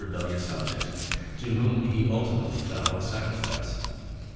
39 bellious subjects, to whom he ultimately fell ass^crifice.